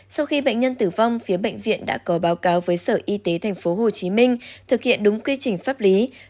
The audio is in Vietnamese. sau khi bệnh nhân tử vong phía bệnh viện đã có báo cáo với sở y tế tp hcm thực hiện đúng quy trình pháp lý